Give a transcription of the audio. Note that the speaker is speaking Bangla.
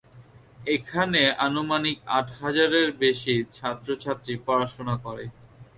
এখানে আনুমানিক আট হাজারের বেশি ছাত্র -ছাত্রী পড়াশুনা করে।